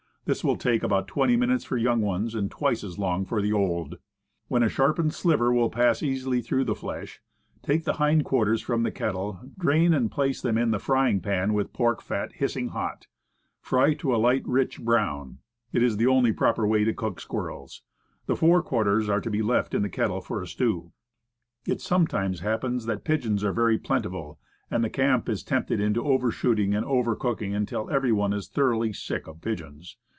This will take about twenty minutes for young ones, and twice as long for the old. When a sharpened sliver will pass easily through the flesh, take the hindquarters from the kettle, drain, and place them in the frying pan with pork fat hiss ing hot. Fry to a light, rich brown. It is the only io6 Woodcraft, proper way to cook squirrels. The forequarters are to be left in the kettle for a stew. It sometimes happens that pigeons are very plenty, and the camp is tempted into over shooting and over cooking, until every one is thoroughly sick of pigeons.